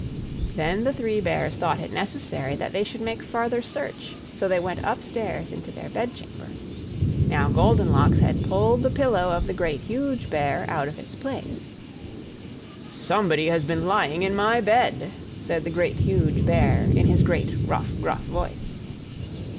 Then the Three Bears thought it necessary that they should make farther search; so they went upstairs into their bedchamber. Now Goldenlocks had pulled the pillow of the Great, Huge Bear out of its place. "SOMEBODY HAS BEEN LYING IN MY BED!" said the Great, Huge Bear, in his great, rough, gruff voice.